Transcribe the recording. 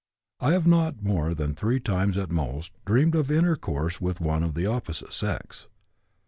I have not more than three times at most dreamed of intercourse with one of the opposite sex.